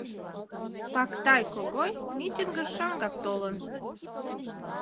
Пактай Когой митингыш шаҥгак толын.